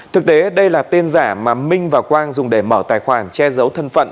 thực tế đây là tên giả mà minh và quang dùng để mở tài khoản che giấu thân phận